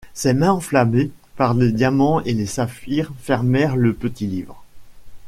Ses mains enflammées par les diamants et les saphirs fermèrent le petit livre.